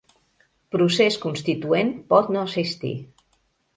Procés Constituent pot no assistir